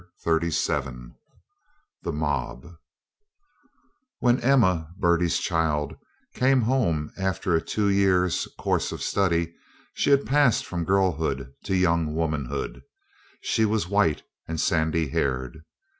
Thirty seven THE MOB When Emma, Bertie's child, came home after a two years' course of study, she had passed from girlhood to young womanhood. She was white, and sandy haired.